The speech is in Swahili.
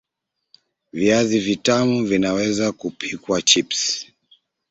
Viazi vitamu vinaweza kupikwa chips